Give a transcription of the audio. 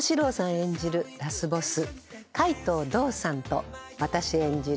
演じるラスボス海藤道三と私演じる